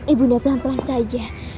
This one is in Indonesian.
ibu nua pelan pelan saja